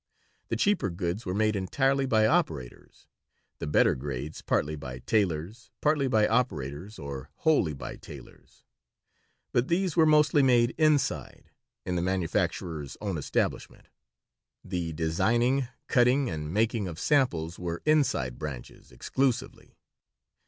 The cheaper goods were made entirely by operators; the better grades partly by tailors, partly by operators, or wholly by tailors; but these were mostly made "inside," in the manufacturer's own establishment. The designing, cutting, and making of samples were "inside" branches exclusively.